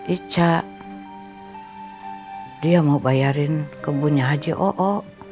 ica dia mau bayarin kebunnya haji oo